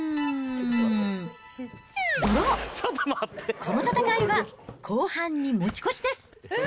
この戦いは後半に持ち越しです。